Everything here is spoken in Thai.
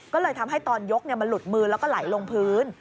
ก็เลยทำให้ตอนยกมันหลุดมือแล้วก็ไหลลงพื้น